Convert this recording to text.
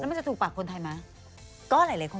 มันจะถูกปากคนไทยไหม